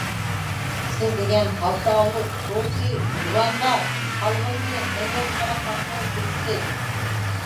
سىز دېگەن ھاكاۋۇر، پوچى، زۇۋاندار، قالغىنىنى ئەينەككە قاراپ باقسىڭىز بىلىسىز.